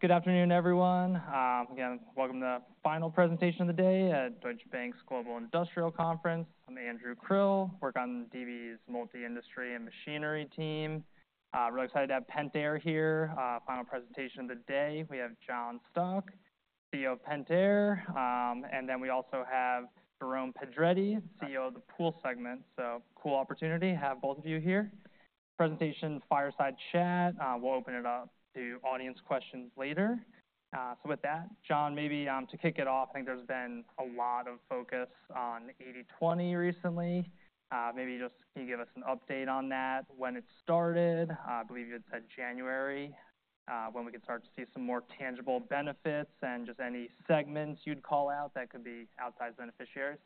Good afternoon, everyone. Again, welcome to the final presentation of the day at Deutsche Bank's Global Industrial Conference. I'm Andrew Krill, work on DB's multi-industry and machinery team. Really excited to have Pentair here. Final presentation of the day. We have John Stauch, CEO of Pentair, and then we also have Jerome Pedretti, CEO of the Pool segment. So, cool opportunity to have both of you here. Presentation, fireside chat, we'll open it up to audience questions later. So, with that, John, maybe to kick it off, I think there's been a lot of focus on 80/20 recently. Maybe just can you give us an update on that, when it started? I believe you had said January. When we can start to see some more tangible benefits, and just any segments you'd call out that could be outsized beneficiaries.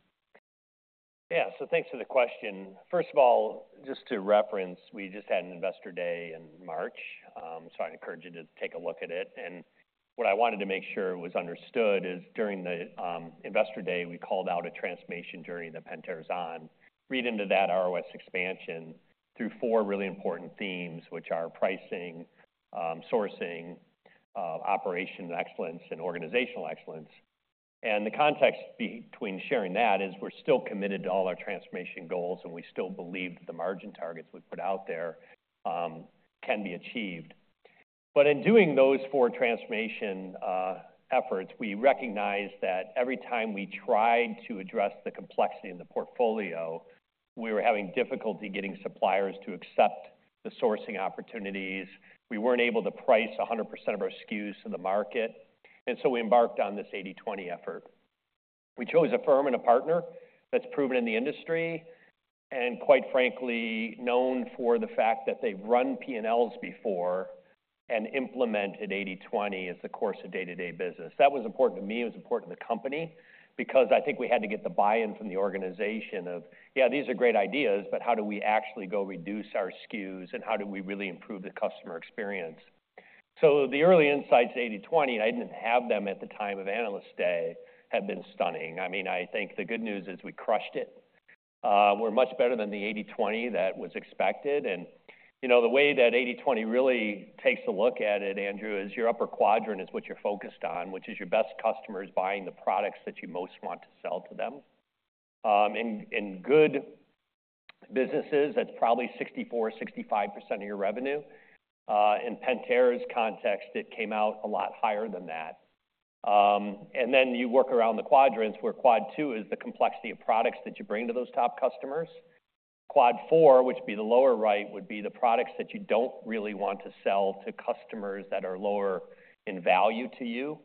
Yeah. So, thanks for the question. First of all, just to reference, we just had an Investor Day in March, so I'd encourage you to take a look at it. And what I wanted to make sure was understood is during the Investor Day, we called out a transformation journey that Pentair is on. Read into that ROS expansion through four really important themes, which are pricing, sourcing, operations excellence, and organizational excellence. And the context between sharing that is we're still committed to all our transformation goals, and we still believe that the margin targets we've put out there can be achieved. But in doing those four transformation efforts, we recognized that every time we tried to address the complexity in the portfolio, we were having difficulty getting suppliers to accept the sourcing opportunities. We weren't able to price 100% of our SKUs to the market, and so we embarked on this 80/20 effort. We chose a firm and a partner that's proven in the industry, and quite frankly, known for the fact that they've run P&Ls before and implemented 80/20 as the course of day-to-day business. That was important to me, it was important to the company, because I think we had to get the buy-in from the organization of, "Yeah, these are great ideas, but how do we actually go reduce our SKUs, and how do we really improve the customer experience?" So, the early insights 80/20, and I didn't have them at the time of Analyst Day, have been stunning. I mean, I think the good news is we crushed it. We're much better than the 80/20 that was expected. You know, the way that 80/20 really takes a look at it, Andrew, is your upper quadrant is what you're focused on, which is your best customers buying the products that you most want to sell to them. In good businesses, that's probably 64-65% of your revenue. In Pentair's context, it came out a lot higher than that. Then you work around the quadrants, where quad two is the complexity of products that you bring to those top customers. Quad four, which would be the lower right, would be the products that you don't really want to sell to customers that are lower in value to you.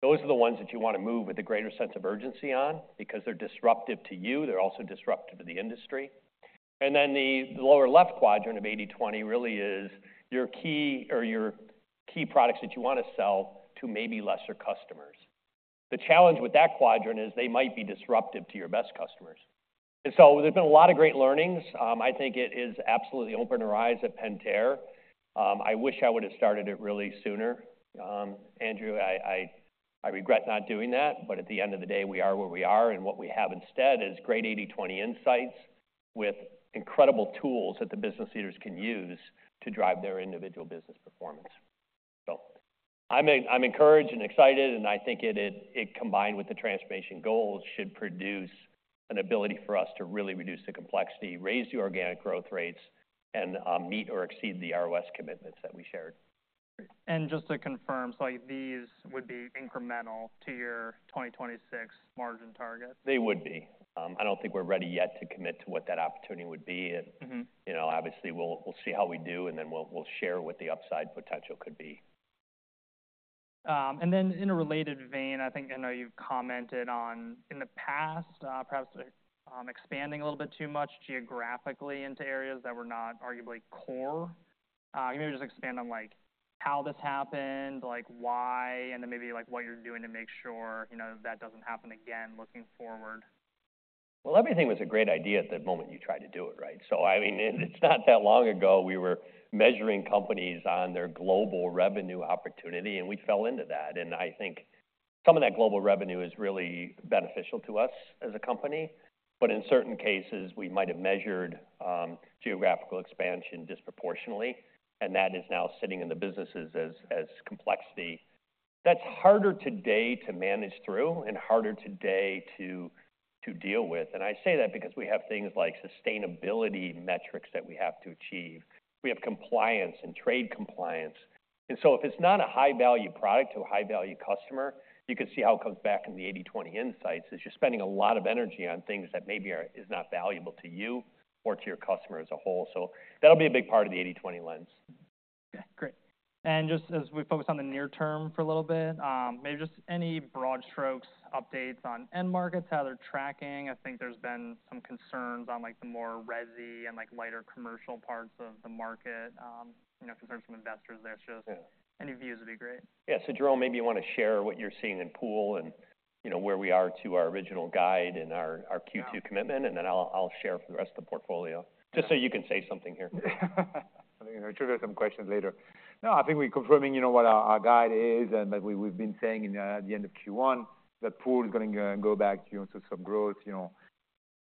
Those are the ones that you want to move with a greater sense of urgency on because they're disruptive to you; they're also disruptive to the industry. Then the lower left quadrant of 80/20 really is your key or your key products that you want to sell to maybe lesser customers. The challenge with that quadrant is they might be disruptive to your best customers. And so, there's been a lot of great learnings. I think it has absolutely opened our eyes at Pentair. I wish I would have started it really sooner. Andrew, I regret not doing that, but at the end of the day, we are where we are, and what we have instead is great 80/20 insights with incredible tools that the business leaders can use to drive their individual business performance. So, I'm encouraged and excited, and I think it combined with the transformation goals, should produce an ability for us to really reduce the complexity, raise the organic growth rates, and meet or exceed the ROS commitments that we shared. Just to confirm, so, like these would be incremental to your 2026 margin target? They would be. I don't think we're ready yet to commit to what that opportunity would be. You know, obviously, we'll see how we do, and then we'll share what the upside potential could be. And then in a related vein, I think I know you've commented on, in the past, perhaps, expanding a little bit too much geographically into areas that were not arguably core. Can you just expand on, like, how this happened, like, why, and then maybe, like, what you're doing to make sure, you know, that doesn't happen again, looking forward? Well, everything was a great idea at the moment you tried to do it, right? I mean, it's not that long ago, we were measuring companies on their global revenue opportunity, and we fell into that. I think some of that global revenue is really beneficial to us as a company, but in certain cases, we might have measured geographical expansion disproportionately, and that is now sitting in the businesses as complexity. That's harder today to manage through and harder today to deal with. I say that because we have things like sustainability metrics that we have to achieve. We have compliance and trade compliance. And so, if it's not a high-value product to a high-value customer, you can see how it comes back in the 80/20 insights, you're spending a lot of energy on things that maybe are not valuable to you or to your customer as a whole. So ,that'll be a big part of the 80/20 lens. Okay, great. And just as we focus on the near term for a little bit, maybe just any broad strokes updates on end markets, how they're tracking. I think there's been some concerns on, like, the more resi and, like, lighter commercial parts of the market, you know, concerns from investors there. Yeah. Just any views would be great. Yeah. So, Jerome, maybe you want to share what you're seeing in Pool and, you know, where we are to our original guide and our Q2 commitment- Yeah. Then I'll share for the rest of the portfolio, just so you can say something here. I think I'll trigger some questions later. No, I think we're confirming, you know, what our guide is, and that we've been saying in the end of Q1, that Pool is gonna go back, you know, to some growth, you know,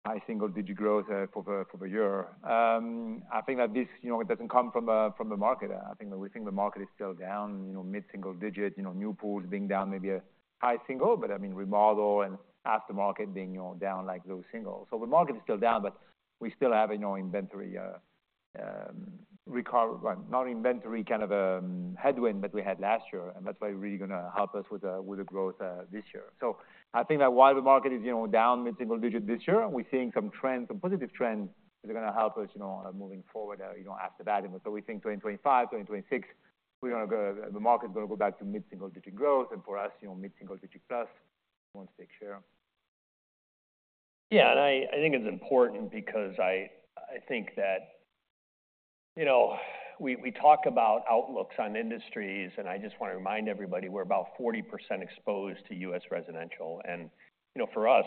high single-digit growth for the year. I think that this, you know, it doesn't come from the market. I think that we think the market is still down, you know, mid-single digit, you know, new pools being down maybe a high single, but I mean, remodel and aftermarket being, you know, down like low single. So, the market is still down, but we still have, you know, inventory recal, well, not inventory, kind of headwind that we had last year, and that's why really gonna help us with the growth this year. So, I think that while the market is, you know, down mid-single digit this year, we're seeing some trends, some positive trends that are gonna help us, you know, moving forward, you know, after that. And so, we think 2025, 2026, we're gonna go, the market is gonna go back to mid-single digit growth, and for us, you know, mid-single digit plus, wants take share. Yeah, and I think it's important because I think that, you know, we talk about outlooks on industries, and I just want to remind everybody, we're about 40% exposed to U.S. residential. And, you know, for us,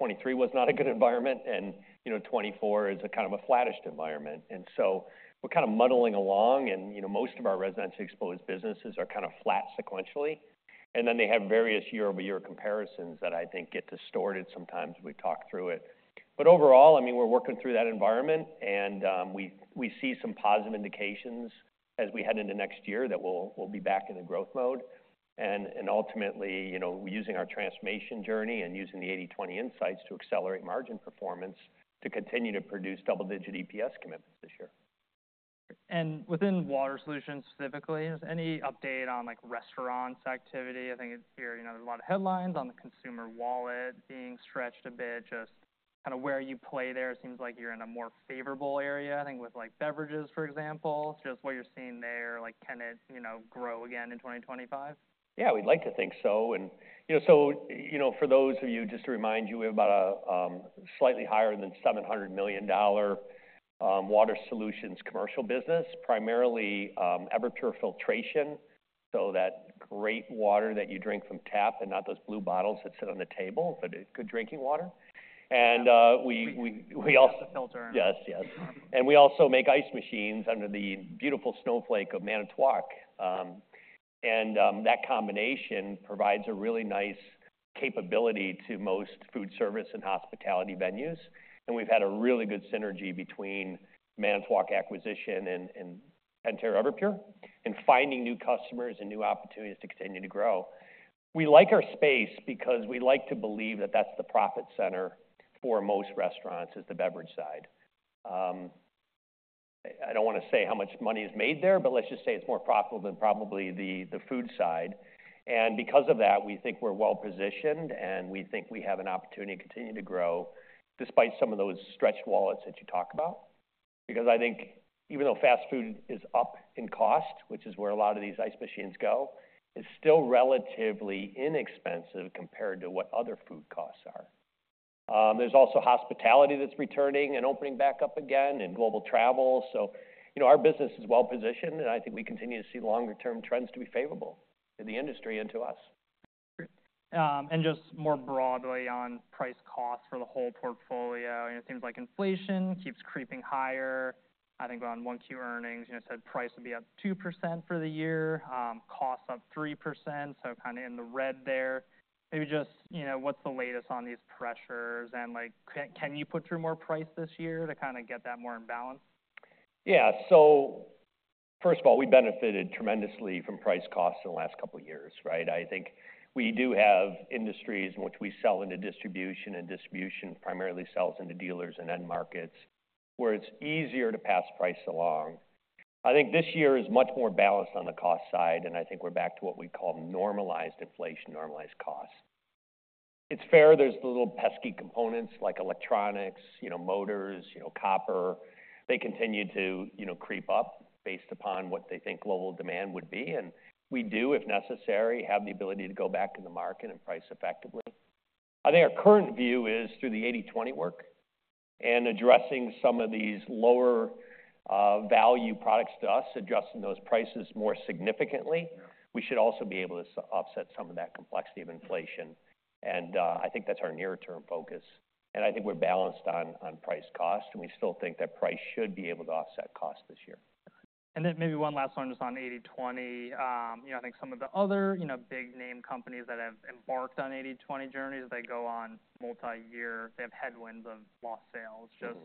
2023 was not a good environment, and, you know, 2024 is a kind of a flattish environment. And so, we're kind of muddling along and, you know, most of our residential exposed businesses are kind of flat sequentially, and then they have various year-over-year comparisons that I think get distorted sometimes we talk through it. But overall, I mean, we're working through that environment and, we see some positive indications as we head into next year that we'll be back in the growth mode. Ultimately, you know, using our transformation journey and using the 80/20 insights to accelerate margin performance to continue to produce double-digit EPS commitments this year. Within Water Solutions, specifically, is any update on, like, restaurants activity? I think it's here, you know, a lot of headlines on the consumer wallet being stretched a bit, just kind of where you play there. It seems like you're in a more favorable area, I think, with, like, beverages, for example. Just what you're seeing there, like, can it, you know, grow again in 2025? Yeah, we'd like to think so. And, you know, so, you know, for those of you, just to remind you, we have about a slightly higher than $700 million water solutions commercial business, primarily Everpure filtration. So, that great water that you drink from tap and not those blue bottles that sit on the table, but it's good drinking water. And we also- The filter. Yes, yes. Um. And we also make ice machines under the beautiful snowflake of Manitowoc. And that combination provides a really nice capability to most food service and hospitality venues. And we've had a really good synergy between Manitowoc acquisition and Pentair Everpure, and finding new customers and new opportunities to continue to grow. We like our space because we like to believe that that's the profit center for most restaurants, is the beverage side. I don't want to say how much money is made there, but let's just say it's more profitable than probably the food side. And because of that, we think we're well-positioned, and we think we have an opportunity to continue to grow despite some of those stretched wallets that you talk about. Because I think even though fast food is up in cost, which is where a lot of these ice machines go, it's still relatively inexpensive compared to what other food costs are. There's also hospitality that's returning and opening back up again and global travel. So, you know, our business is well-positioned, and I think we continue to see longer-term trends to be favorable in the industry and to us. And just more broadly on price costs for the whole portfolio, and it seems like inflation keeps creeping higher. I think on 1Q earnings, you know, said price would be up 2% for the year, costs up 3%, so kind of in the red there. Maybe just, you know, what's the latest on these pressures? And, like, can, can you put through more price this year to kind of get that more in balance? Yeah. So, first of all, we benefited tremendously from price costs in the last couple of years, right? I think we do have industries in which we sell into distribution, and distribution primarily sells into dealers and end markets, where it's easier to pass price along. I think this year is much more balanced on the cost side, and I think we're back to what we call normalized inflation, normalized costs. It's fair, there's the little pesky components like electronics, you know, motors, you know, copper. They continue to, you know, creep up based upon what they think global demand would be, and we do, if necessary, have the ability to go back to the market and price effectively. I think our current view is through the 80/20 work and addressing some of these lower, value products to us, adjusting those prices more significantly- Yeah... we should also be able to offset some of that complexity of inflation. And, I think that's our near-term focus, and I think we're balanced on, on price cost, and we still think that price should be able to offset cost this year. And then maybe one last one, just on 80/20. You know, I think some of the other, you know, big name companies that have embarked on 80/20 journeys, they go on multi-year... They have headwinds of lost sales. Just-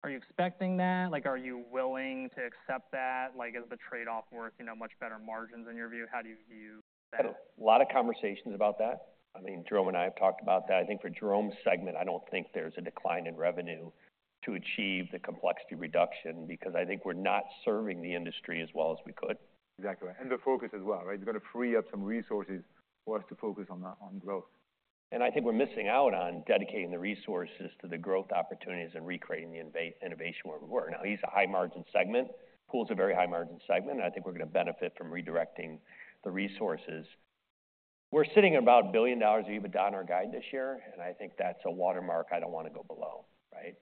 Mm. Are you expecting that? Like, are you willing to accept that? Like, is the trade-off worth, you know, much better margins in your view? How do you view that? A lot of conversations about that. I mean, Jerome and I have talked about that. I think for Jerome's segment, I don't think there's a decline in revenue to achieve the complexity reduction, because I think we're not serving the industry as well as we could. Exactly, and the focus as well, right? We've got to free up some resources for us to focus on that, on growth. I think we're missing out on dedicating the resources to the growth opportunities and recreating the innovation where we were. Now, Pool's a high-margin segment. Pool is a very high-margin segment, and I think we're going to benefit from redirecting the resources. We're sitting at about $1 billion of EBITDA on our guide this year, and I think that's a watermark I don't want to go below, right?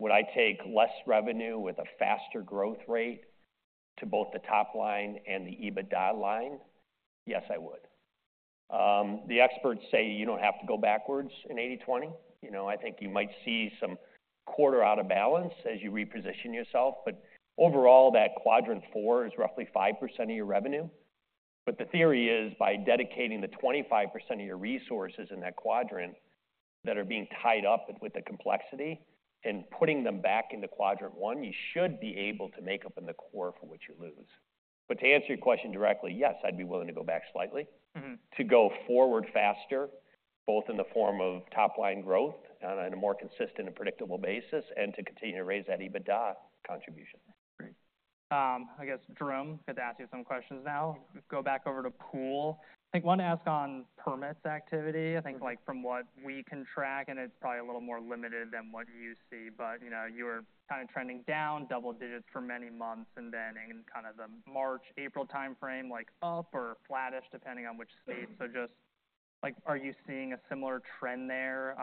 Would I take less revenue with a faster growth rate to both the top line and the EBITDA line? Yes, I would. The experts say you don't have to go backwards in 80/20. You know, I think you might see some quarter out of balance as you reposition yourself, but overall, that quadrant four is roughly 5% of your revenue.... But the theory is, by dedicating the 25% of your resources in that quadrant that are being tied up with the complexity, and putting them back into quadrant one, you should be able to make up in the core for what you lose. But to answer your question directly, yes, I'd be willing to go back slightly. To go forward faster, both in the form of top-line growth and on a more consistent and predictable basis, and to continue to raise that EBITDA contribution. Great. I guess, Jerome, get to ask you some questions now. Go back over to Pool. I think one to ask on permit activity. I think, like, from what we can track, and it's probably a little more limited than what you see, but, you know, you're kind of trending down double digits for many months, and then in kind of the March, April timeframe, like, up or flattish, depending on which state. So just, like, are you seeing a similar trend there?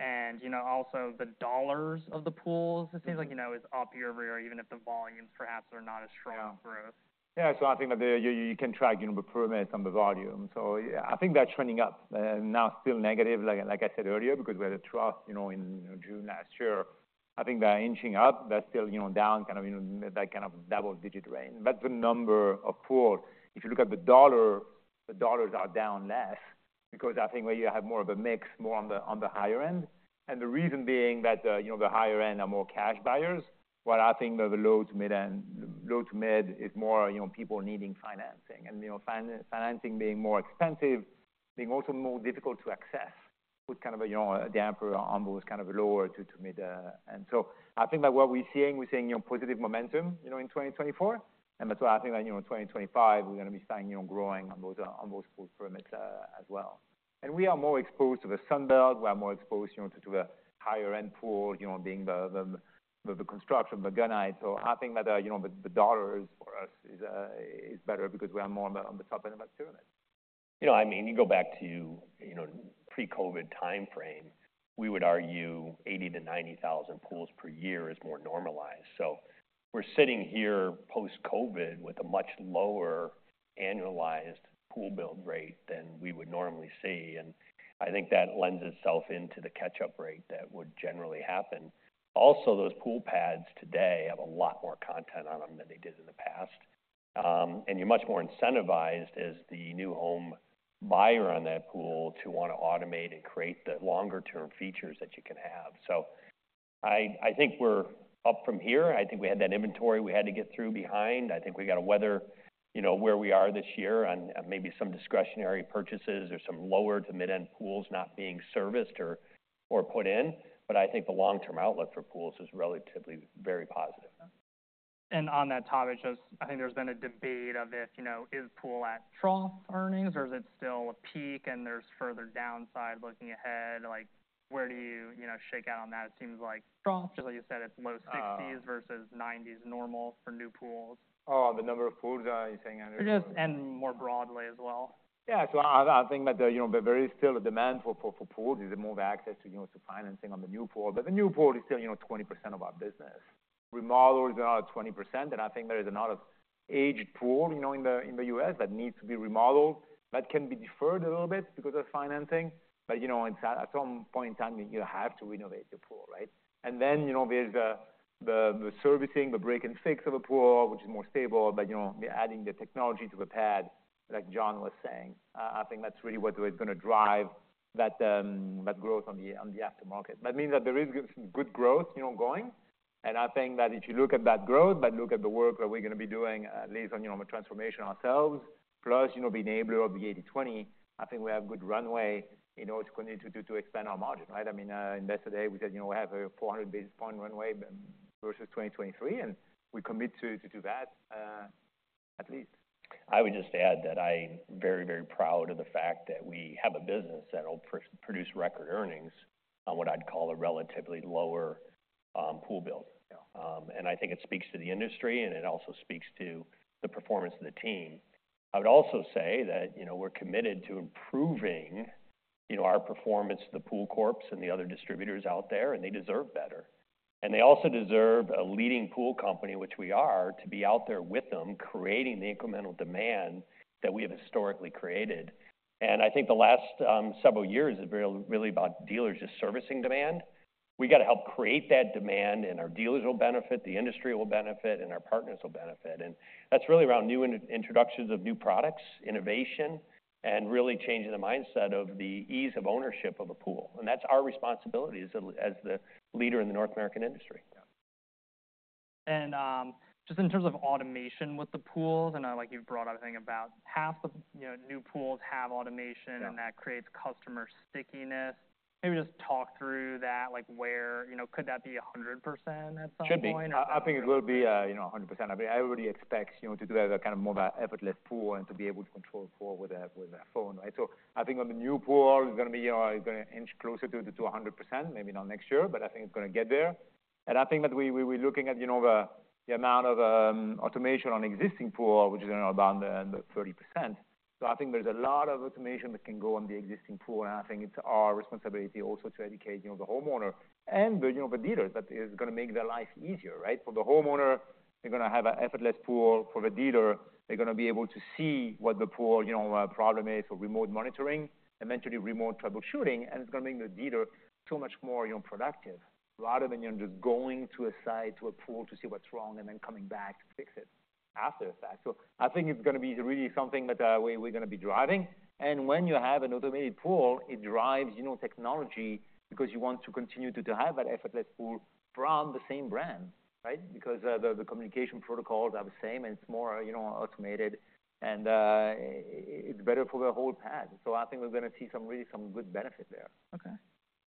And, you know, also the dollars of the Pools, it seems like, you know, it's up year-over-year, even if the volumes perhaps are not as strong for us. Yeah, so, I think that you, you can track, you know, the permits on the volume. So, yeah, I think that's trending up now, still negative, like I, like I said earlier, because we had a trough, you know, in June last year. I think they are inching up. They're still, you know, down, kind of, you know, that kind of double-digit range. But the number of Pool, if you look at the dollar, the dollars are down less because I think where you have more of a mix, more on the, on the higher end. And the reason being that, you know, the higher end are more cash buyers, while I think that the low to mid-end - low to mid is more, you know, people needing financing. You know, financing being more expensive, being also more difficult to access, put kind of a, you know, a damper on those kind of lower to mid. And so, I think that what we're seeing, we're seeing, you know, positive momentum, you know, in 2024, and that's why I think that, you know, in 2025, we're going to be seeing, you know, growing on those, on those pool permits as well. And we are more exposed to the Sun Belt. We are more exposed, you know, to, to the higher-end pool, you know, being the construction, the Gunite. So, I think that, you know, the dollars for us is better because we are more on the, on the top end of that pyramid. You know, I mean, you go back to, you know, pre-COVID timeframe, we would argue 80-90,000 Pools per year is more normalized. So, we're sitting here, post-COVID, with a much lower annualized Pool build rate than we would normally see, and I think that lends itself into the catch-up rate that would generally happen. Also, those Pool pads today have a lot more content on them than they did in the past. And you're much more incentivized as the new home buyer on that Pool to want to automate and create the longer-term features that you can have. So, I think we're up from here. I think we had that inventory we had to get through behind. I think we got to weather, you know, where we are this year on maybe some discretionary purchases or some lower to mid-end Pools not being serviced or put in, but I think the long-term outlook for Pools is relatively very positive. On that topic, just, I think there's been a debate of if, you know, is Pool at trough earnings or is it still a peak and there's further downside looking ahead? Like, where do you, you know, shake out on that? It seems like trough, just like you said, it's low 60s versus 90s normal for new Pools. Oh, the number of Pools are you saying? Just and more broadly as well. Yeah, so, I think that, you know, there is still a demand for Pools. There's more access to, you know, to financing on the new pool, but the new pool is still, you know, 20% of our business. Remodel is about 20%, and I think there is a lot of aged Pool, you know, in the U.S. that needs to be remodeled. That can be deferred a little bit because of financing, but, you know, at some point in time, you have to renovate the Pool, right? And then, you know, there's the servicing, the break and fix of a Pool, which is more stable, but, you know, adding the technology to the pad, like John was saying. I think that's really what is going to drive that growth on the aftermarket. That means that there is good growth, you know, going, and I think that if you look at that growth, but look at the work that we're going to be doing, at least on, you know, the transformation ourselves, plus, you know, being enabler of the 80/20, I think we have good runway in order to continue to, to expand our margin, right? I mean, yesterday we said, you know, we have a 400 basis point runway versus 2023, and we commit to, to do that, at least. I would just add that I'm very, very proud of the fact that we have a business that will produce record earnings on what I'd call a relatively lower Pool build. Yeah. And I think it speaks to the industry, and it also speaks to the performance of the team. I would also say that, you know, we're committed to improving, you know, our performance to the Pool Corp and the other distributors out there, and they deserve better. And they also deserve a leading Pool company, which we are, to be out there with them, creating the incremental demand that we have historically created. And I think the last several years is really about dealers just servicing demand. We got to help create that demand, and our dealers will benefit, the industry will benefit, and our partners will benefit. And that's really around new introductions of new products, innovation, and really changing the mindset of the ease of ownership of a Pool. And that's our responsibility as the leader in the North American industry. Yeah. just in terms of automation with the Pools, I know, like you've brought up, I think about half the, you know, new pools have automation- Yeah. - and that creates customer stickiness. Maybe just talk through that, like, where... You know, could that be 100% at some point? Should be. I think it will be, you know, 100%. I mean, everybody expects, you know, to do that kind of more of an effortless pool and to be able to control the Pool with a, with a phone, right? So, I think on the new pool, it's going to be, you know, it's going to inch closer to the, to 100%, maybe not next year, but I think it's going to get there. And I think that we, we, we're looking at, you know, the, the amount of automation on existing pool, which is around the, the 30%. So, I think there's a lot of automation that can go on the existing pool, and I think it's our responsibility also to educate, you know, the homeowner and the, you know, the dealers, that it's going to make their life easier, right? For the homeowner, they're going to have an effortless pool. For the dealer, they're going to be able to see what the Pool, you know, problem is for remote monitoring and eventually remote troubleshooting, and it's going to make the dealer so much more, you know, productive, rather than, you know, just going to a site, to a Pool to see what's wrong and then coming back to fix it after effect. So, I think it's gonna be really something that, we, we're gonna be driving. And when you have an automated pool, it drives, you know, technology because you want to continue to, to have that effortless pool from the same brand, right? Because, the, the communication protocols are the same, and it's more, you know, automated, and, it's better for the whole pad. So, I think we're gonna see some good benefit there. Okay.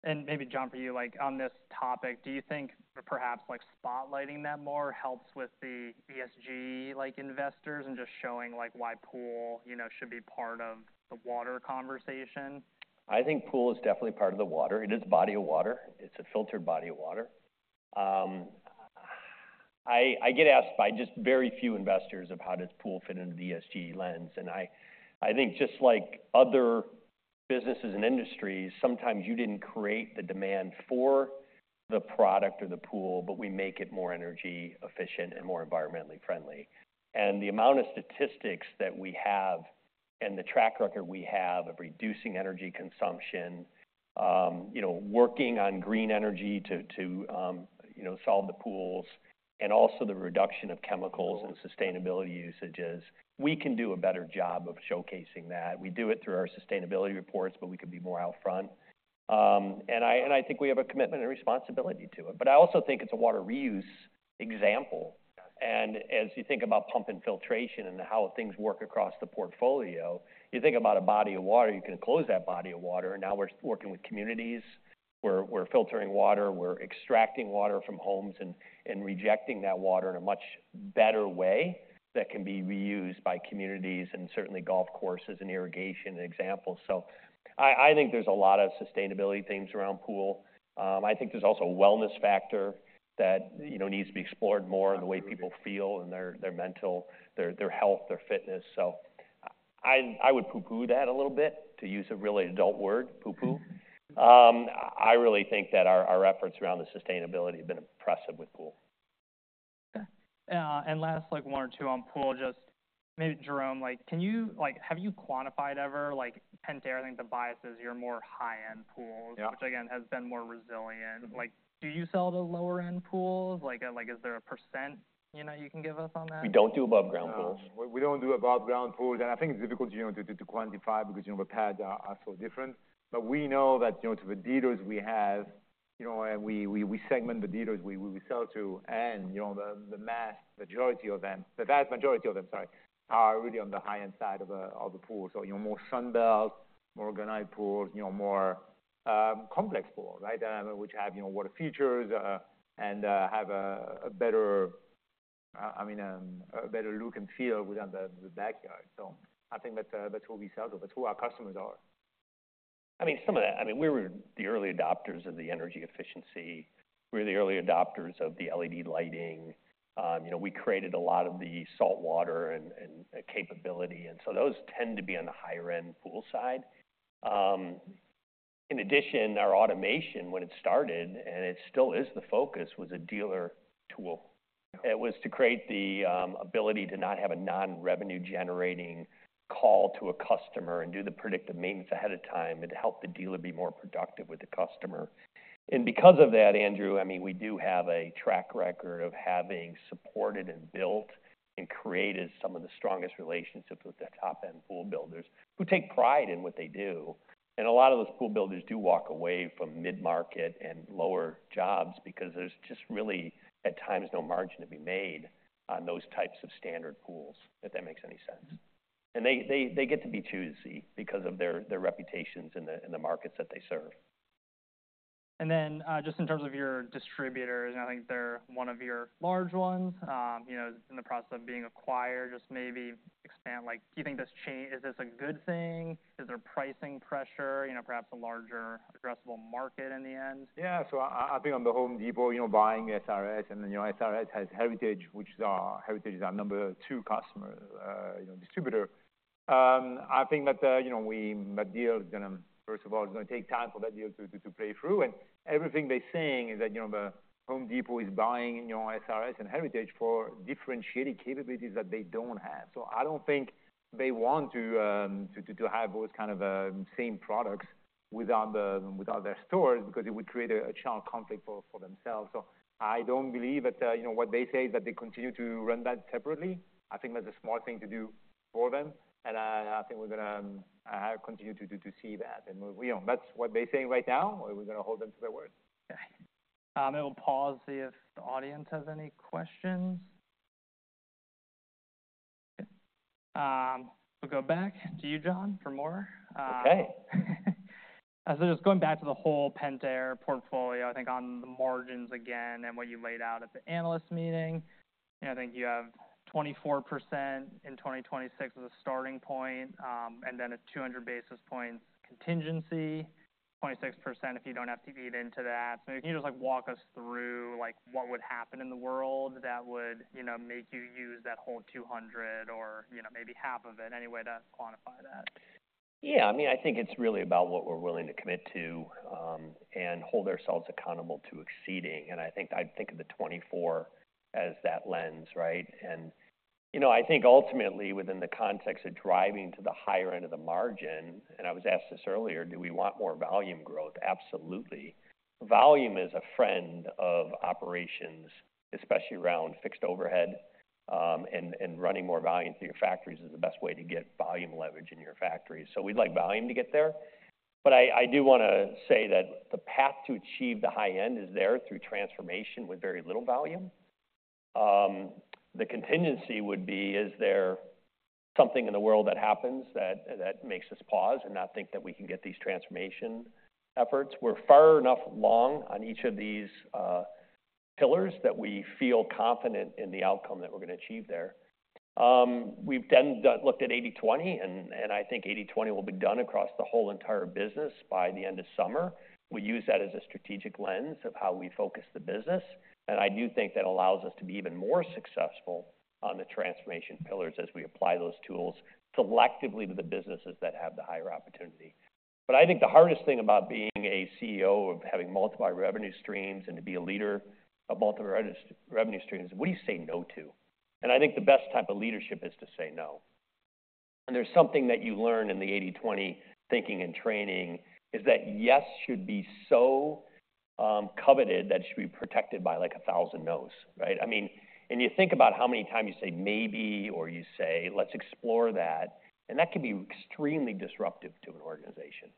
And maybe, John, for you, like, on this topic, do you think perhaps, like, spotlighting that more helps with the ESG, like, investors, and just showing, like, why Pool, you know, should be part of the water conversation? I think Pool is definitely part of the water. It is body of water. It's a filtered body of water. I get asked by just very few investors of how does Pool fit into the ESG lens, and I think just like other businesses and industries, sometimes you didn't create the demand for the product or the Pool, but we make it more energy efficient and more environmentally friendly. The amount of statistics that we have and the track record we have of reducing energy consumption, you know, working on green energy to, you know, solve the Pools, and also the reduction of chemicals and sustainability usages, we can do a better job of showcasing that. We do it through our sustainability reports, but we could be more out front. And I think we have a commitment and responsibility to it, but I also think it's a water reuse example. Got it. And as you think about pump and filtration and how things work across the portfolio, you think about a body of water, you can close that body of water, and now we're working with communities, we're filtering water, we're extracting water from homes and rejecting that water in a much better way that can be reused by communities and certainly golf courses and irrigation examples. So, I think there's a lot of sustainability themes around Pool. I think there's also a wellness factor that, you know, needs to be explored more in the way people feel and their mental, their health, their fitness. So, I would pooh-pooh that a little bit, to use a really adult word, pooh-pooh. I really think that our efforts around the sustainability have been impressive with Pool. Okay. And last, like, one or two on Pool, just maybe, Jerome, like, can you, like, have you quantified ever, like, Pentair, I think the bias is your more high-end Pools- Yeah. -which again, has been more resilient. Like, do you sell the lower-end Pools? Like, like, is there a percent, you know, you can give us on that? We don't do above ground Pools. We don't do above ground Pools, and I think it's difficult, you know, to quantify because, you know, the pads are so different. But we know that, you know, to the dealers we have, you know, and we segment the dealers we sell to, and, you know, the mass majority of them—the vast majority of them, sorry, are really on the high-end side of the Pool. So, you know, more Sunbelt, more organized Pools, you know, more complex Pools, right? Which have, you know, water features, and have a better, I mean, a better look and feel within the backyard. So, I think that's who we sell to, that's who our customers are. I mean, some of that... I mean, we were the early adopters of the energy efficiency. We're the early adopters of the LED lighting. You know, we created a lot of the saltwater and capability, and so those tend to be on the higher end Pool side. In addition, our automation, when it started, and it still is the focus, was a dealer tool. Yeah. It was to create the ability to not have a non-revenue generating call to a customer and do the predictive maintenance ahead of time and help the dealer be more productive with the customer. And because of that, Andrew, I mean, we do have a track record of having supported and built and created some of the strongest relationships with the top-end Pool builders, who take pride in what they do. And a lot of those Pool builders do walk away from mid-market and lower jobs because there's just really, at times, no margin to be made on those types of standard Pools, if that makes any sense. And they get to be choosy because of their reputations in the markets that they serve. Then, just in terms of your distributors, I think they're one of your large ones, you know, in the process of being acquired. Just maybe expand, like, do you think this change is this a good thing? Is there pricing pressure, you know, perhaps a larger addressable market in the end? Yeah. So, I think on the Home Depot, you know, buying SRS, and then, you know, SRS has Heritage, which is our number two customer, you know, distributor. I think that, you know, that deal is gonna, first of all, it's gonna take time for that deal to play through. And everything they're saying is that, you know, the Home Depot is buying, you know, SRS and Heritage for differentiating capabilities that they don't have. So, I don't think they want to have those kind of same products without their stores, because it would create a channel conflict for themselves. So, I don't believe that, you know, what they say, that they continue to run that separately. I think that's a smart thing to do for them, and I think we're gonna continue to see that. We know that's what they're saying right now, and we're gonna hold them to their word. Okay. I'll pause, see if the audience has any questions. We'll go back to you, John, for more. Okay. As I was going back to the whole Pentair portfolio, I think on the margins again and what you laid out at the analyst meeting, I think you have 24% in 2026 as a starting point, and then a 200 basis points contingency, 26% if you don't have to eat into that. So can you just, like, walk us through, like, what would happen in the world that would, you know, make you use that whole 200 or, you know, maybe half of it? Any way to quantify that? Yeah, I mean, I think it's really about what we're willing to commit to, and hold ourselves accountable to exceeding. And I think of the 24 as that lens, right? And, you know, I think ultimately, within the context of driving to the higher end of the margin, and I was asked this earlier, do we want more volume growth? Absolutely. Volume is a friend of operations, especially around fixed overhead, and, and running more volume through your factories is the best way to get volume leverage in your factories. So, we'd like volume to get there. But I do want to say that the path to achieve the high end is there through transformation with very little volume. The contingency would be, is there something in the world that happens that makes us pause and not think that we can get these transformation efforts? We're far enough along on each of these pillars that we feel confident in the outcome that we're gonna achieve there. We've then looked at 80/20, and I think 80/20 will be done across the whole entire business by the end of summer. We use that as a strategic lens of how we focus the business, and I do think that allows us to be even more successful on the transformation pillars as we apply those tools selectively to the businesses that have the higher opportunity. But I think the hardest thing about being a CEO of having multiple revenue streams and to be a leader of multiple revenue streams, what do you say no to? I think the best type of leadership is to say no. There's something that you learn in the 80/20 thinking and training, is that yes should be so coveted that it should be protected by, like, 1,000 no's, right? I mean, and you think about how many times you say maybe or you say, let's explore that, and that can be extremely disruptive to an organization.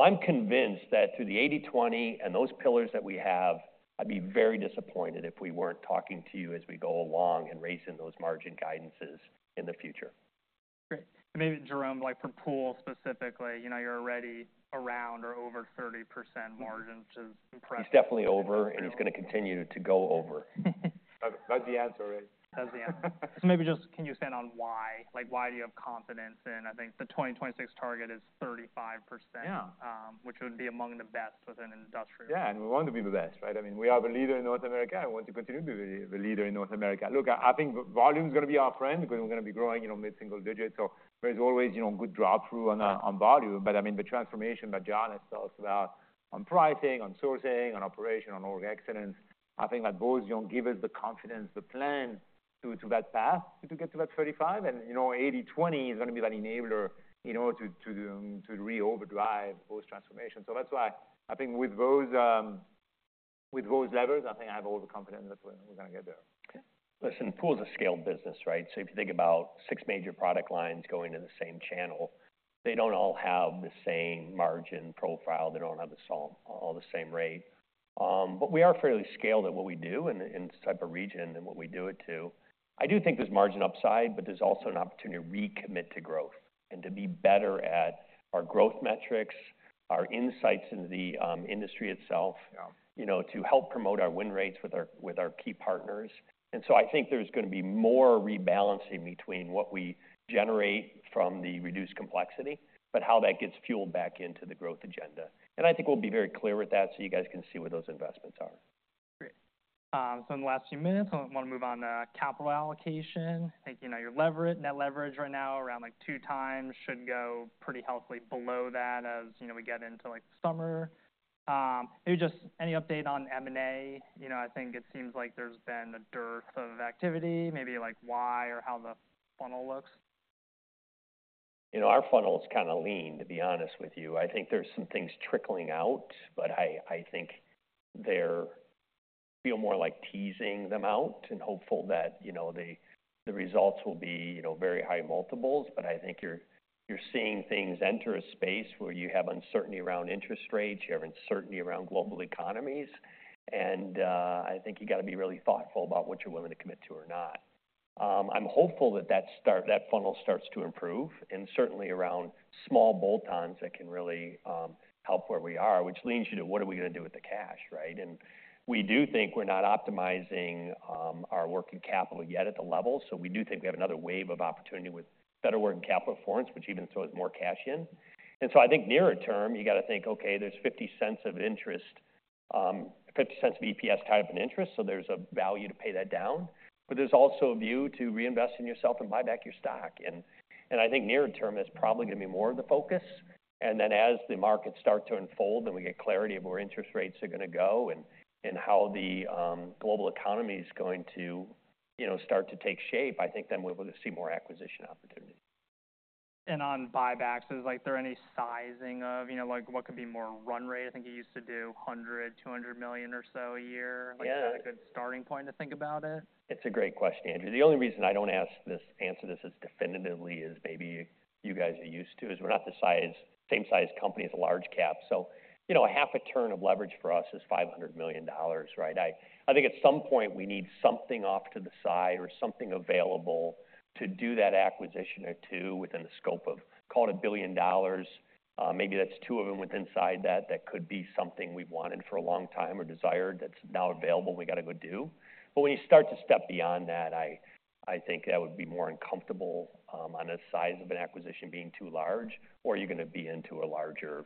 I'm convinced that through the 80/20 and those pillars that we have, I'd be very disappointed if we weren't talking to you as we go along and raising those margin guidances in the future. Great. Maybe, Jerome, like, for Pool specifically, you know, you're already around or over 30% margin, which is impressive. He's definitely over, and he's gonna continue to go over. That's the answer, right? That's the answer. So, maybe just can you expand on why? Like, why do you have confidence in... I think the 2026 target is 35%- Yeah. which would be among the best within the industry. Yeah, and we want to be the best, right? I mean, we are the leader in North America, and we want to continue to be the, the leader in North America. Look, I think volume is gonna be our friend because we're gonna be growing, you know, mid-single digits, so, there's always, you know, good drop-through on- Yeah... on volume. But I mean, the transformation that John has talked about on pricing, on sourcing, on operation, on org excellence, I think that those, you know, give us the confidence, the plan to, to that path, to, to get to that 35. And, you know, 80/20 is gonna be that enabler in order to, to, to re-overdrive those transformations. So, that's why I think with those, with those levers, I think I have all the confidence that we're, we're gonna get there. Okay. Listen, Pool is a scaled business, right? So, if you think about six major product lines going to the same channel, they don't all have the same margin profile, they don't have the same, all the same rate. But we are fairly scaled at what we do in this type of region and what we do it to. I do think there's margin upside, but there's also an opportunity to recommit to growth and to be better at our growth metrics, our insights into the industry itself- Yeah... you know, to help promote our win rates with our, with our key partners. And so, I think there's gonna be more rebalancing between what we generate from the reduced complexity, but how that gets fueled back into the growth agenda. And I think we'll be very clear with that, so, you guys can see where those investments are. Great. So, in the last few minutes, I want to move on to capital allocation. I think, you know, your leverage, net leverage right now around, like, 2x should go pretty healthily below that as, you know, we get into, like, the summer. Maybe just any update on M&A? You know, I think it seems like there's been a dearth of activity. Maybe, like, why or how the funnel looks. You know, our funnel is kind of lean, to be honest with you. I think there's some things trickling out, but I, I think they feel more like teasing them out and hopeful that, you know, the, the results will be, you know, very high multiples. But I think you're, you're seeing things enter a space where you have uncertainty around interest rates, you have uncertainty around global economies, and I think you got to be really thoughtful about what you're willing to commit to or not. I'm hopeful that that funnel starts to improve, and certainly around small bolt-ons that can really help where we are, which leads you to: What are we gonna do with the cash, right? And we do think we're not optimizing our working capital yet at the level, so, we do think we have another wave of opportunity with better working capital performance, which even throws more cash in. And so, I think nearer term, you got to think, okay, there's $0.50 of interest, $0.50 of EPS tied up in interest, so, there's a value to pay that down. But there's also a view to reinvest in yourself and buy back your stock. And, and I think nearer term, that's probably gonna be more of the focus. And then, as the markets start to unfold and we get clarity of where interest rates are gonna go and, and how the global economy is going to, you know, start to take shape, I think then we're going to see more acquisition opportunity. On buybacks, is, like, there any sizing of, you know, like, what could be more run rate? I think you used to do $100-$200 million or so, a year. Yeah. Like, is that a good starting point to think about it? It's a great question, Andrew. The only reason I don't ask this, answer this as definitively as maybe you guys are used to, is we're not the same size company as a large cap. So, you know, a half a turn of leverage for us is $500 million, right? I think at some point we need something off to the side or something available to do that acquisition or two within the scope of, call it, $1 billion. Maybe that's two of them within that, that could be something we've wanted for a long time or desired that's now available, we got to go do. But when you start to step beyond that, I think that would be more uncomfortable on the size of an acquisition being too large, or you're gonna be into a larger,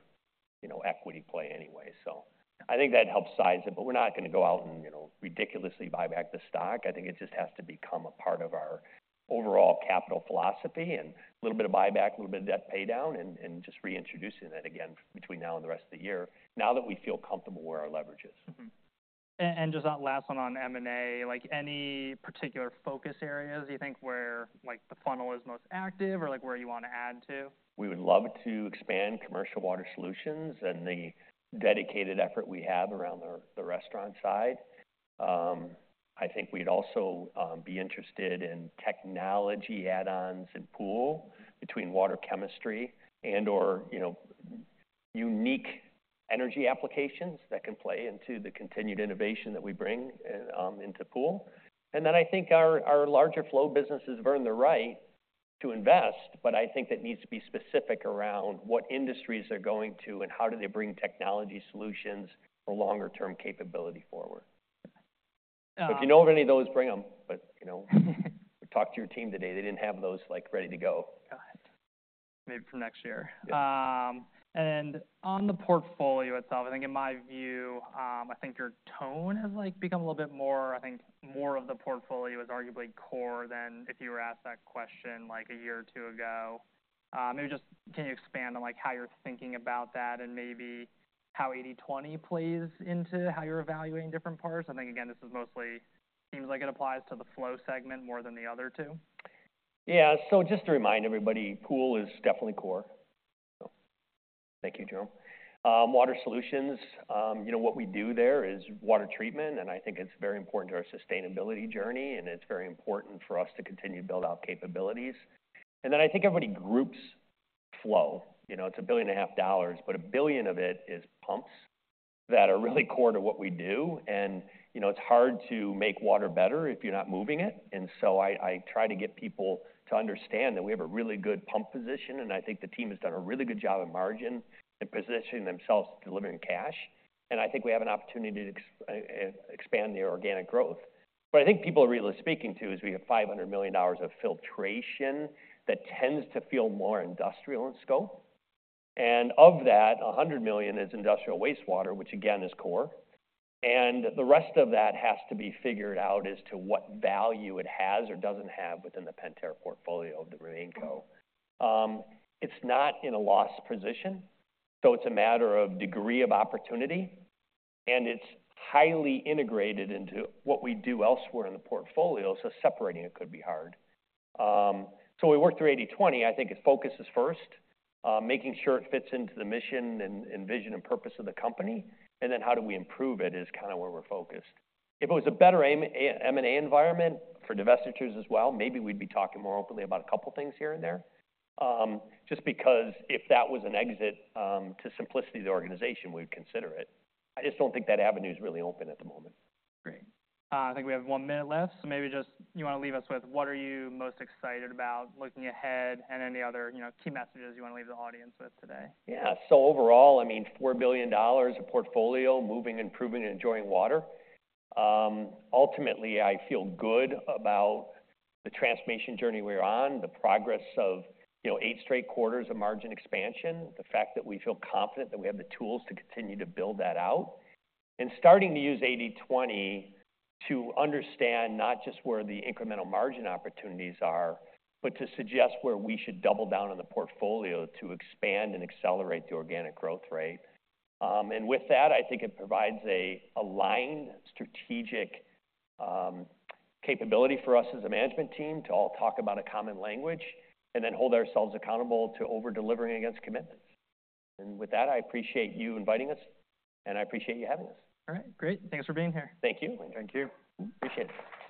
you know, equity play anyway. So, I think that helps size it, but we're not gonna go out and, you know, ridiculously buy back the stock. I think it just has to become a part of our overall capital philosophy and a little bit of buyback, a little bit of debt paydown, and just reintroducing that again between now and the rest of the year, now that we feel comfortable where our leverage is. Mm-hmm. And just that last one on M&A, like any particular focus areas you think where, like, the funnel is most active or, like, where you want to add to? We would love to expand Commercial Water Solutions and the dedicated effort we have around the restaurant side. I think we'd also be interested in technology add-ons and Pool between water chemistry and or, you know, unique energy applications that can play into the continued innovation that we bring into Pool. And then I think our larger Flow businesses have earned the right to invest, but I think that needs to be specific around what industries they're going to and how do they bring technology solutions or longer-term capability forward. Uh- If you know of any of those, bring them, but, you know, I talked to your team today. They didn't have those, like, ready to go. Got it. Maybe for next year. Yeah. On the portfolio itself, I think in my view, I think your tone has, like, become a little bit more... I think more of the portfolio is arguably core than if you were asked that question, like a year or two ago. Maybe just can you expand on, like, how you're thinking about that and maybe how 80/20 plays into how you're evaluating different parts? I think, again, this seems like it applies to the Flow segment more than the other two. Yeah. So, just to remind everybody, Pool is definitely core. Thank you, Jerome. Water solutions, you know, what we do there is water treatment, and I think it's very important to our sustainability journey, and it's very important for us to continue to build out capabilities. And then I think everybody groups Flow. You know, it's $1.5 billion, but $1 billion of it is pumps that are really core to what we do. And, you know, it's hard to make water better if you're not moving it. And so I, I try to get people to understand that we have a really good pump position, and I think the team has done a really good job of margin and positioning themselves to delivering cash. And I think we have an opportunity to expand the organic growth. But I think people are really speaking to is we have $500 million of filtration that tends to feel more industrial in scope. And of that, $100 million is industrial wastewater, which again, is core. And the rest of that has to be figured out as to what value it has or doesn't have within the Pentair portfolio of the RemainCo. It's not in a loss position, so, it's a matter of degree of opportunity, and it's highly integrated into what we do elsewhere in the portfolio, so, separating it could be hard. So, we worked through 80/20. I think its focus is first, making sure it fits into the mission and, and vision and purpose of the company, and then how do we improve it is kind of where we're focused. If it was a better M&A environment for divestitures as well, maybe we'd be talking more openly about a couple of things here and there. Just because if that was an exit to simplicity of the organization, we'd consider it. I just don't think that avenue is really open at the moment. Great. I think we have one minute left, so maybe just you want to leave us with what are you most excited about looking ahead and any other, you know, key messages you want to leave the audience with today? Yeah. So overall, I mean, $4 billion of portfolio, moving, improving, and enjoying water. Ultimately, I feel good about the transformation journey we're on, the progress of, you know, 8 straight quarters of margin expansion, the fact that we feel confident that we have the tools to continue to build that out. And starting to use 80/20 to understand not just where the incremental margin opportunities are, but to suggest where we should double down on the portfolio to expand and accelerate the organic growth rate. And with that, I think it provides a aligned strategic capability for us as a management team to all talk about a common language and then hold ourselves accountable to over-delivering against commitments. And with that, I appreciate you inviting us, and I appreciate you having us. All right, great. Thanks for being here. Thank you. Thank you. Appreciate it.